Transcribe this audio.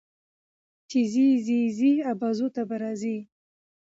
چې ځې ځې ابازو ته به راځې